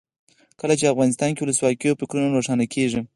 کله چې افغانستان کې ولسواکي وي فکرونه روښانه کیږي.